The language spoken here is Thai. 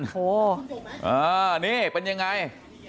โอ้นี่เป็นยังไง